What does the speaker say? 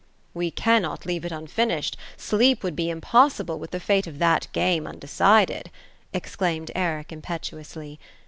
We cannot leave it unfinished ; sleep would be impossible, with the fate of that game undecided !" exclaimed Eric impetuously.